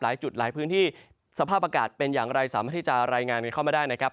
หลายจุดหลายพื้นที่สภาพอากาศเป็นอย่างไรสามารถที่จะรายงานกันเข้ามาได้นะครับ